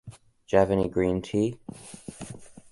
Do you have any green tea?